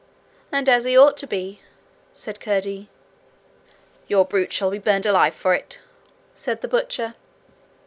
'And as he ought to be,' said Curdie. 'Your brute shall be burned alive for it,' said the butcher.